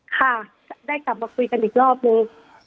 ค่ะได้กลับมาคุยกันอีกรอบนึง